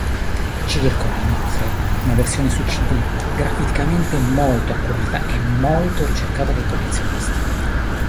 Circola, inoltre, una versione su cd graficamente molto accurata e moto ricercata dai collezionisti.